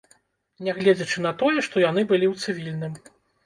Нягледзячы на тое, што яны былі ў цывільным.